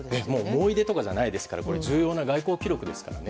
思い出とかじゃなくて重要な外交記録ですから。